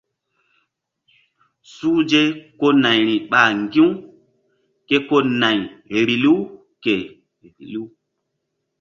Suhze ko nayri ɓa ŋgi̧-u ke ko nay vbilu ke.